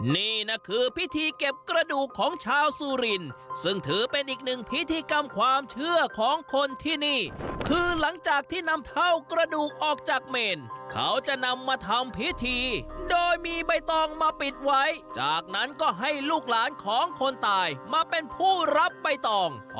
นี่น่ะคือพิธีเก็บกระดูกของชาวสุรินซึ่งถือเป็นอีกหนึ่งพิธีกรรมความเชื่อของคนที่นี่คือหลังจากที่นำเท่ากระดูกออกจากเม่นเขาจะนำมาทำพิธีโดยมีใบตองมาปิดไว้จากนั้นก็ให้ลูกหลานของคนตายมาเป็นผู้รับใบตองพอเขาจะทำให้กระดูกมีใบตองมาปิดไว้จากนั้นก็ให้ลูกหลานของคนตายมาเป็นผู้รับใบตอง